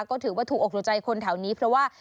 ก็ถือว่าถูกอกถูกใจคนแถวนี้เพราะว่า